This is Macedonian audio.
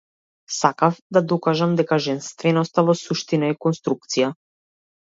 Сакав да докажам дека женственоста во суштина е конструкција.